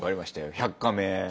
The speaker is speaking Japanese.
「１００カメ」。